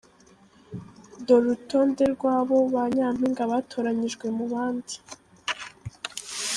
Dore urutonde rwabo ba nyampinga batoranijwe mu bandi.